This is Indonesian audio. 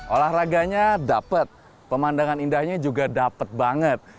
olahraganya dapat pemandangan indahnya juga dapat banget